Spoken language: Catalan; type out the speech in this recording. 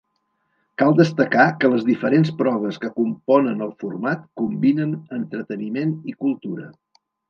Cal destacar que les diferents proves que componen el format combinen entreteniment i cultura.